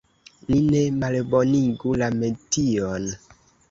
Ni ne malbonigu la metion!